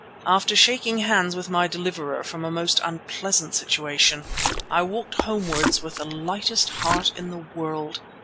After shaking hands with my deliverer from a most unpleasant situation, I walked homewards with the lightest heart in the world.